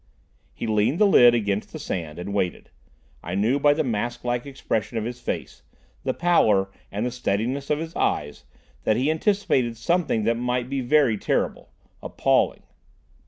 He leaned the lid against the sand, and waited. I knew by the masklike expression of his face, the pallor, and the steadiness of the eyes, that he anticipated something that might be very terrible—appalling.